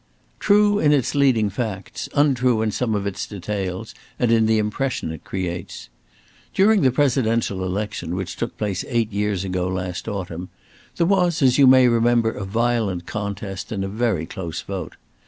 "True in its leading facts; untrue in some of its details, and in the impression it creates. During the Presidential election which took place eight years ago last autumn, there was, as you may remember, a violent contest and a very close vote.